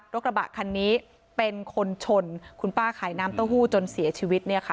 กระบะคันนี้เป็นคนชนคุณป้าขายน้ำเต้าหู้จนเสียชีวิตเนี่ยค่ะ